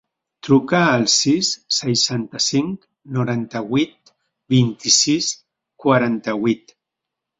Truca al sis, seixanta-cinc, noranta-vuit, vint-i-sis, quaranta-vuit.